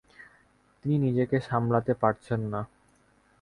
তিনি নিজেকে সামলাতে পারছেন না।